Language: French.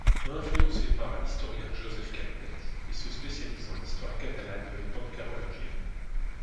Influencé par l'historien Joseph Calmette, il se spécialise dans l'histoire catalane de l'époque carolingienne.